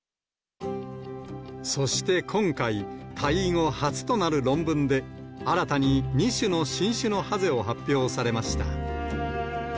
そして今回、退位後初となる論文で、新たに２種の新種のハゼを発表されました。